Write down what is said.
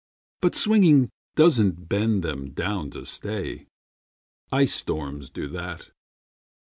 But swinging doesn't bend them down to stay. Ice storms do that.